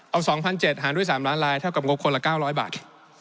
เอา๒๗๐๐หารด้วย๓ล้านลายเท่ากับงบคนละ๙๐๐บาท